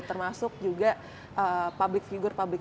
termasuk juga publik figure publik